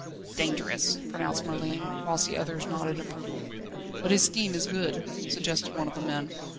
"Dangerous," pronounced Merlin, whilst the others nodded approval. "But his scheme is good," suggested one of the men.